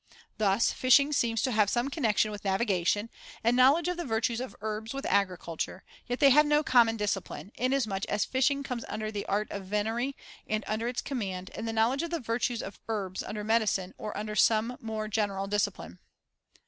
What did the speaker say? Thus fishing seems to have [1403 some connection with navigation, and knowledge of the virtues of herbs with agriculture, yet they have no common discipline, inasmuch as fishing comes under the art of venery and under its command, and the knowledge of the virtues of herbs under medicine or under some more general discipline.